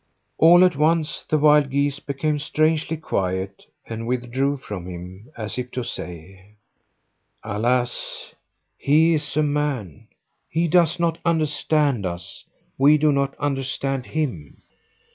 All at once the wild geese became strangely quiet and withdrew from him, as if to say: "Alas! he is a man. He does not understand us: we do not understand him!"